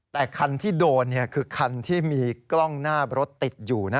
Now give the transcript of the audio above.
แต่คันที่โดนคือคันที่มีกล้องหน้ารถติดอยู่นะ